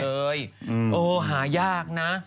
เออหายากนะ